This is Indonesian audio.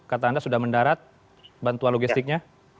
kata anda sudah mendarat bantuan logistiknya